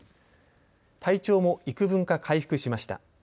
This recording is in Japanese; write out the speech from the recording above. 体調もいくぶんか回復しました。